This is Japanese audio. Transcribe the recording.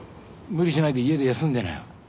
無理しないで家で休んでなよ。